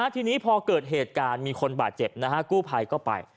ทีนี้พอเกิดเหตุการณ์มีคนบาดเจ็บนะฮะกู้ภัยก็ไป